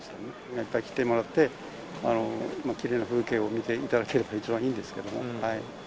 いっぱい来てもらって、きれいな風景を見ていただければ一番いいんですけども。